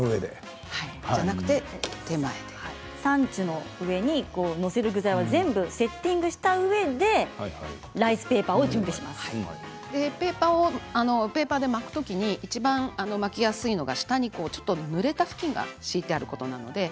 サンチュの上に載せる具材をすべてセッティングしたうえでペーパーで巻くときにいちばん巻きやすいのが下に、ちょっとぬれた布巾を敷いてあることなんです。